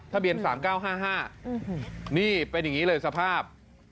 ทะเบียน๓๙๕๕นี่เป็นอย่างนี้เลยสภาพ